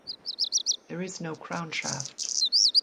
There is no crownshaft.